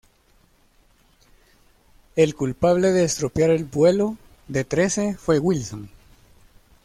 El culpable de estropear el vuelo de Trece fue Wilson.